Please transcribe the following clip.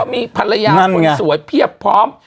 มีภรรยาคนสวยเพียบพร้อม